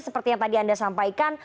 seperti yang tadi anda sampaikan